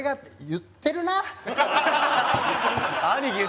言ってるなあ。